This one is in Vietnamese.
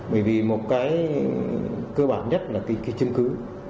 bởi vì một cái cơ bản nhất là cái chứng cứ